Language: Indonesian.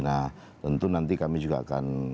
nah tentu nanti kami juga akan